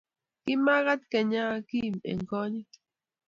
Kimagat kenyaa Kim eng konyit